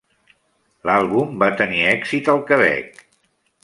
L'àlbum va tenir èxit al Quebec.